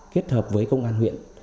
kết hợp với công an huyện